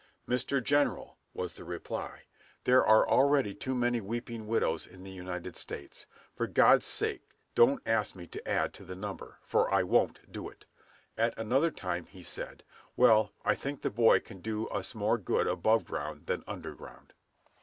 "Mr. General," was the reply, "there are already too many weeping widows in the United States. For God's sake, don't ask me to add to the number, for I won't do it." At another time he said, "Well, I think the boy can do us more good above ground than under ground."